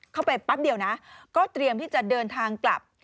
แป๊บเดียวนะก็เตรียมที่จะเดินทางกลับ